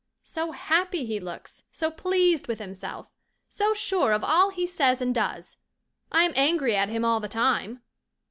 So happy he looks! So pleased with himself! So sure of all he says and does! I am angry at him all the time.